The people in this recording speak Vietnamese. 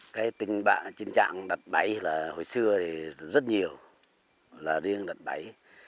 cái tình trạng đặt bẫy là hồi xưa thì rất nhiều là riêng đặt bẫy